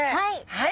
はい。